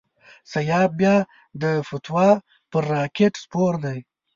سیاف بیا د فتوی پر راکېټ سپور دی.